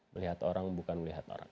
melihat orang bukan melihat orang